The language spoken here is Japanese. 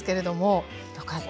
よかった。